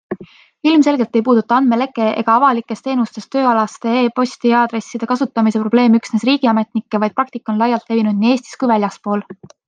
Ilmselgelt ei puuduta andmeleke ega avalikes teenustes tööalaste e-posti aadresside kasutamise probleem üksnes riigiametnikke, vaid praktika on laialt levinud nii Eestis kui väljaspool.